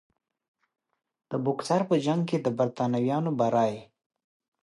د بوکسر په جنګ کې د برټانویانو بری.